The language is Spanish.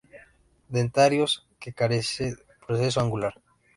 Dentarios que carece proceso angular.